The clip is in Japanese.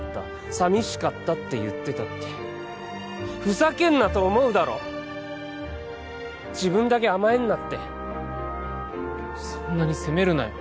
「寂しかった」って言ってたってふざけんなと思うだろ自分だけ甘えんなってそんなに責めるなよ